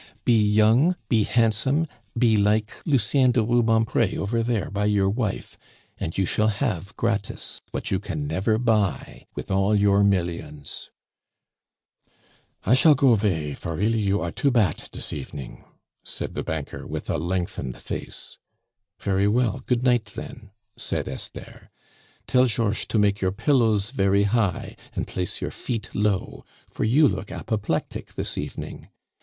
"Be young, be handsome, be like Lucien de Rubempre over there by your wife, and you shall have gratis what you can never buy with all your millions!" "I shall go 'vay, for really you are too bat dis evening!" said the banker, with a lengthened face. "Very well, good night then," said Esther. "Tell Georches to make your pillows very high and place your fee low, for you look apoplectic this evening.